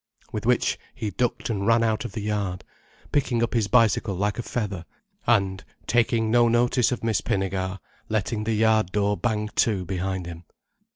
With which he ducked and ran out of the yard, picking up his bicycle like a feather, and, taking no notice of Miss Pinnegar, letting the yard door bang to behind him.